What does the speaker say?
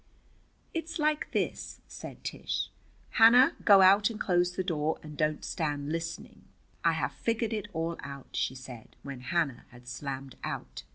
"It's like this," said Tish. "Hannah, go out and close the door, and don't stand listening. I have figured it all out," she said, when Hannah had slammed out.